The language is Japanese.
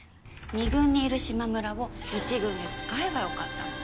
２軍にいる島村を１軍で使えばよかったのに。